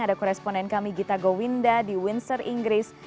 ada koresponen kami gita gowinda di windsor inggris